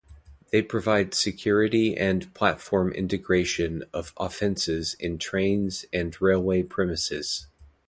They provide security and perform investigation of offences in trains and railway premises.